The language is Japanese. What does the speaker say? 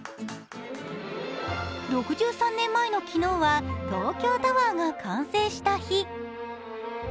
６３年前の昨日は東京タワーが完成した日。